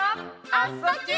「あ・そ・ぎゅ」